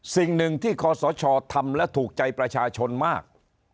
สิ่งหนึ่งที่ขอสชทำและถูกใจประชาชนมาก